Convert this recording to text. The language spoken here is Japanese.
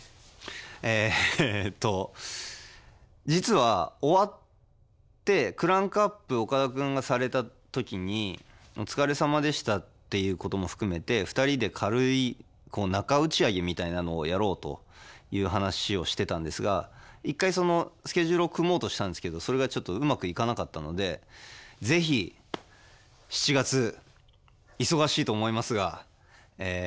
えっと実は終わってクランクアップ岡田君がされた時にお疲れさまでしたっていうことも含めて２人で軽い中打ち上げみたいなのをやろうという話をしてたんですが１回そのスケジュールを組もうとしたんですけどそれがちょっとうまくいかなかったので是非７月忙しいと思いますがえ